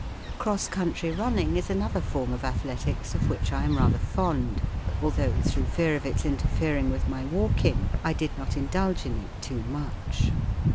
Cross country running is another form of athletics of which I am rather fond* although, through fear of its interfering with my walking, I did not indulge in it too much.